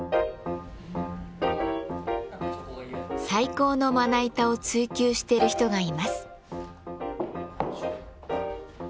最高のまな板を追求している人がいます。